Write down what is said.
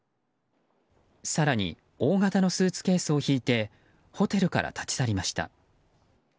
更に大型のスーツケースを引いてホテルから立ち去りました。